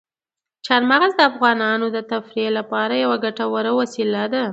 چار مغز د افغانانو د تفریح لپاره یوه ګټوره وسیله ده.